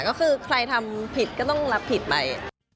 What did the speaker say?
ก็คือใครทำผิดก็ต้องรับผิดไป